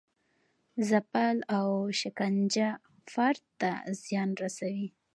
ځپل او شکنجه فرد ته زیان رسوي.